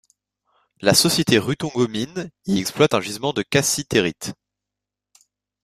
La société Rutongo Mines y exploite un gisement de cassitérite.